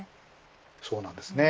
そうなんですね。